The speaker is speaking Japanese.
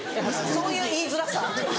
そういう言いづらさ？